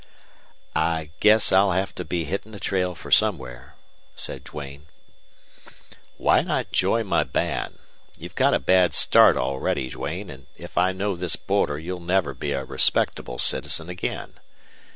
"I guess I'll have to be hitting the trail for somewhere," said Duane. "Why not join my band? You've got a bad start already, Duane, and if I know this border you'll never be a respectable citizen again.